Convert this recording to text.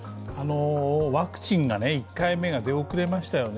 ワクチンが１回目が出遅れましたよね。